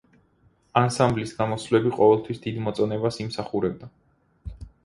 ანსამბლის გამოსვლები ყოველთვის დიდ მოწონებას იმსახურებდა.